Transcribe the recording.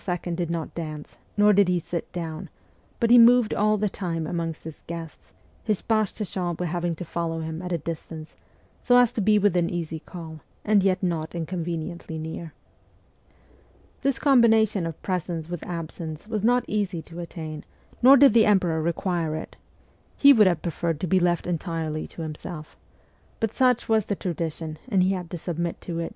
did not dance, nor did he sit down, but he moved all the time amongst his guests, his page de chambre having to follow him at a distance, so as to be within easy call, and yet not inconveniently near. This combination of presence with absence was not easy to attain, nor did the emperor require it : he would have preferred to be left entirely to himself ; but such was the tradition, and he had to submit to it.